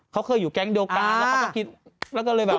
เขาเคยอยู่แก๊งเดียวกันแล้วเขาก็คิดแล้วก็เลยแบบ